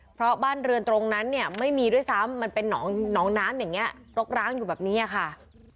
เพราะบ้านเรือนตรงนั้นเนี่ยไม่มีด้วยซ้ำมันเป็นหนองน้ำอย่างนี้รกร้างอยู่แบบนี้ค่ะ